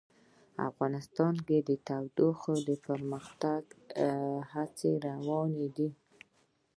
افغانستان کې د تودوخه د پرمختګ هڅې روانې دي.